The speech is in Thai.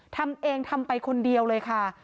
ทำเองทำไปคนเดียวเลยค่ะ